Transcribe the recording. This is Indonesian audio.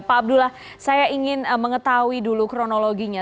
pak abdullah saya ingin mengetahui dulu kronologinya